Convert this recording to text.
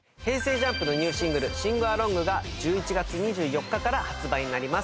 ＪＵＭＰのニューシングル『Ｓｉｎｇ−ａｌｏｎｇ』が１１月２４日から発売になります。